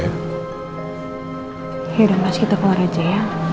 yaudah mas kita keluar aja ya